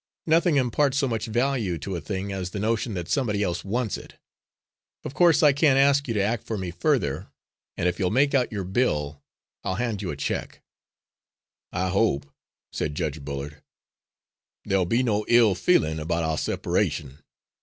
Nothing imparts so much value to a thing as the notion that somebody else wants it. Of course, I can't ask you to act for me further, and if you'll make out your bill, I'll hand you a check." "I hope," said Judge Bullard, "there'll be no ill feeling about our separation."